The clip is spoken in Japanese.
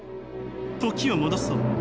時を戻そう。